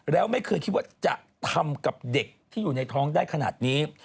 แล้วไม่เคยคิดว่าจะทำกับเด็กที่อยู่ในท้องได้ขนาดนี้